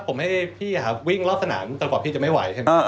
ผมให้พี่หาวิ่งรอบสนานก่อนกว่าพี่จะไม่ไหว